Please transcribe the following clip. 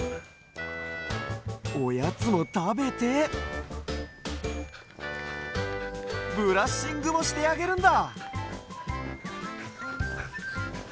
おやつをたべてブラッシングもしてあげるんだ！